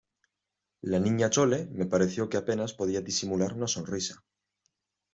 la Niña Chole me pareció que apenas podía disimular una sonrisa: